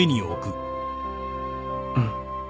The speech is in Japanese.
うん。